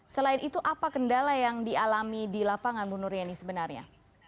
selain itu apa kendala yang dialami di lapangan bu nur yeni sebenarnya